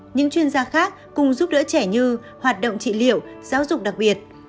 những chuyên gia khác cùng giúp đỡ trẻ như hoạt động trị liệu giáo dục đặc biệt